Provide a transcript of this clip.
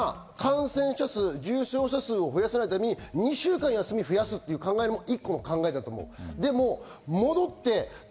今、感染者数、重症者数を増やさないために、２週間休みを増やすというのも考えだと思う。